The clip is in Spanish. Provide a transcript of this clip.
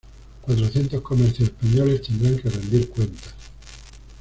Cuatrocientos comercios españoles tendrán que rendir cuentas